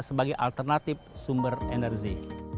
sebagai alternatif sumber energi